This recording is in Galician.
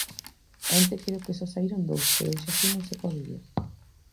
Onte creo que só saíron dous, pero hoxe así non se pode ir...